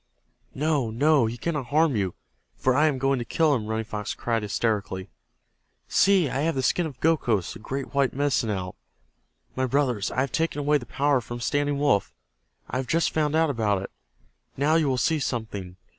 "No! No! He cannot harm you, for I am going to kill him!" Running Fox cried, hysterically. "See, I have the skin of Gokhos, the great white Medicine Owl. My brothers, I have taken away the power from Standing Wolf. I have just found out about it. Now you will see something.